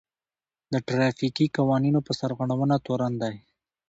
د ټرافيکي قوانينو په سرغړونه تورن دی.